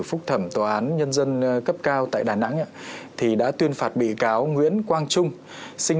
phúc thẩm tòa án nhân dân cấp cao tại đà nẵng thì đã tuyên phạt bị cáo nguyễn quang trung sinh